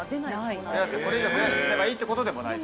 これ以上増やせばいいってことでもない。